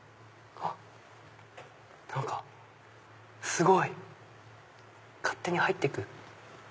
何かすごい勝手に入って行く。